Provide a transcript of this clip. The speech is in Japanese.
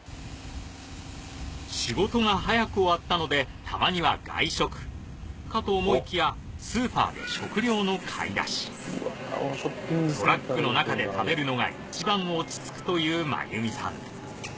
仕事が早く終わったのでたまには外食かと思いきやスーパーで食料の買い出しトラックの中で食べるのが一番落ち着くというマユミさん